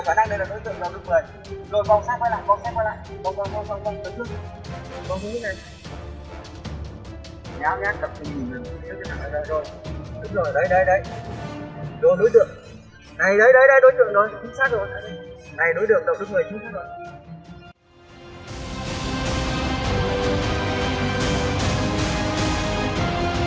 khả năng đây là đối tượng đậu đức mời rồi vòng xe quay lại